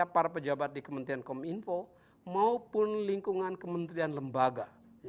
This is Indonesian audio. para pejabat di kementerian kominfo maupun lingkungan kementerian lembaga